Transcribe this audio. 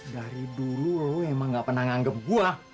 dari dulu lu emang gak pernah nganggep gua